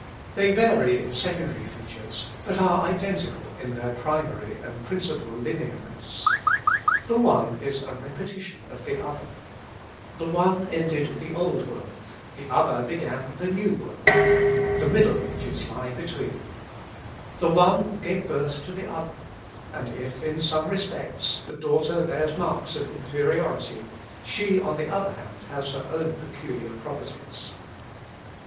They vary in secondary features, but are identical in their primary and principal lineaments. The one is a repetition of the other. The one ended the old, the other began the new world; the middle ages lie between. The one gave birth to the other, and if, in some respects, the daughter bears marks of inferiority, she on the other hand has her own peculiar properties.